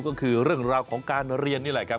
ก็คือเรื่องราวของการเรียนนี่แหละครับ